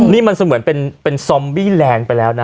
นี่มันเสมือนเป็นซอมบี้แลนด์ไปแล้วนะ